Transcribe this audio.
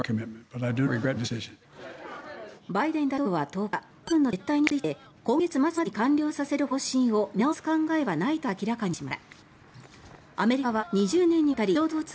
バイデン大統領は１０日アメリカ軍の撤退について今月末までに完了させる方針を見直す考えはないと明らかにしました。